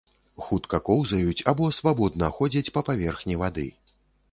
Хутка коўзаюць або свабодна ходзяць па паверхні вады.